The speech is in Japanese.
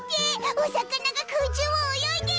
お魚が空中を泳いでる！